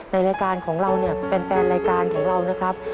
ในรายการของเราเนี่ยแฟนรายการของเรานะครับ